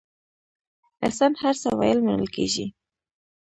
احسان هر څه ویل منل کېږي.